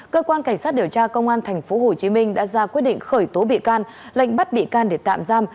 cơ quan cảnh sát điều tra công an tp hcm đã ra quyết định khởi tố bị can lệnh bắt bị can để tạm giam